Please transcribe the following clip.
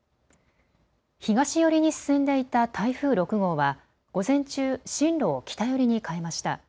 東寄りに進んでいた台風６号は午前中、進路を北寄りに変えました。